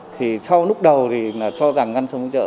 thì sau lúc đầu thì là cho rằng ngăn sông chợ